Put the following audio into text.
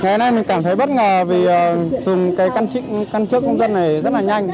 ngày nay mình cảm thấy bất ngờ vì dùng cái căn cước công dân này rất là nhanh